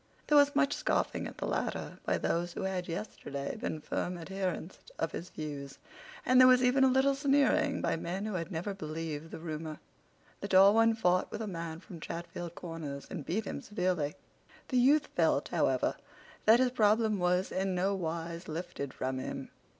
There was much scoffing at the latter by those who had yesterday been firm adherents of his views, and there was even a little sneering by men who had never believed the rumor. The tall one fought with a man from Chatfield Corners and beat him severely. The youth felt, however, that his problem was in no wise lifted from him.